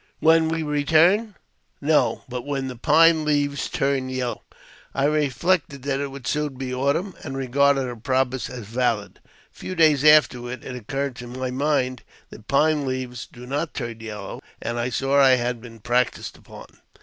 '* When we return ?"" No ; but when the pine leaves turn yellow." I reflected that it would soon be autumn, and regarded her promise as valid. A few days afterward it occurred to my mind that pine leaves do not turn yellow, and I saw I had been practised upon.